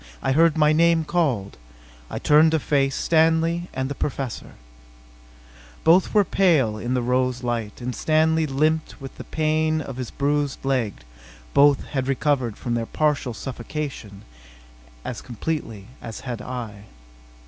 I heard my name called. I turned to face Stanley and the Professor. Both were pale in the rose light, and Stanley limped with the pain of his bruised leg: but both had recovered from their partial suffocation as completely as had I.